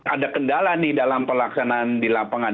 ada kendala nih dalam pelaksanaan di lapangan